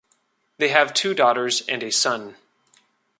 They have two daughters and a son.